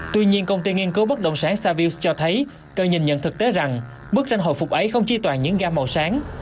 tuy nhiên công ty nghiên cứu bất động sản savills cho thấy cơ nhìn nhận thực tế rằng bức tranh hồi phục ấy không chi toàn những ga màu sáng